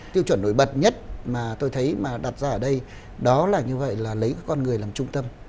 tiêu chuẩn nổi bật nhất mà tôi thấy đặt ra ở đây là lấy con người làm trung tâm